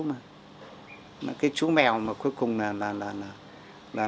mà cái chú mèo mà cuối cùng là